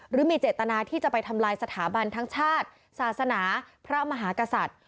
หรือมีเจตนาที่จะไปทำลายสถาบันทั้งชาติศาสนาพระมหากษัตริย์